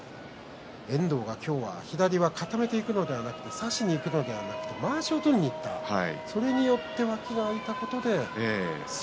遠藤、今日は左を固めていくのではなくて差しにいくのではなくてまわしを取りにいったそれによって脇が空いたことです。